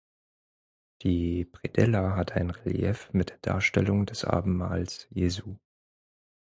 Die Predella hat ein Relief mit der Darstellung des Abendmahls Jesu.